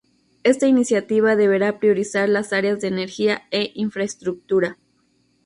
Esta iniciativa deberá priorizar las áreas de energía e infraestructura.